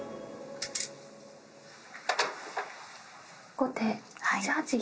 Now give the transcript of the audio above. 「後手８八銀」